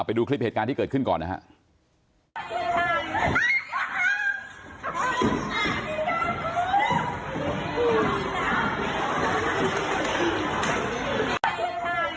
ไปดูคลิปเหตุการณ์ที่เกิดขึ้นก่อนนะครับ